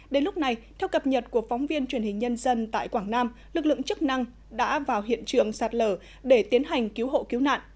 đến lúc này theo cập nhật của phóng viên truyền hình nhân dân tại quảng nam lực lượng chức năng đã vào hiện trường sạt lở để tiến hành cứu hộ cứu nạn